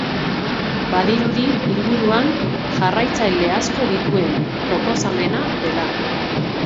Badirudi inguruan jarraitzaile asko dituen proposamena dela.